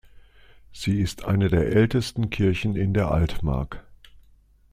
Sie ist eine der ältesten Kirchen in der Altmark.